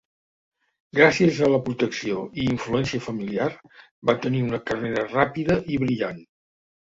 Gràcies a la protecció i influència familiar, va tenir una carrera ràpida i brillant.